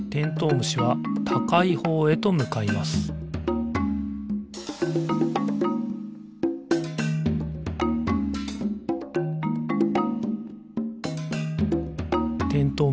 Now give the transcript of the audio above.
むしはたかいほうへとむかいますてんとう